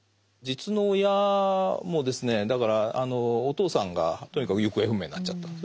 実の親もですねだからお父さんがとにかく行方不明になっちゃった。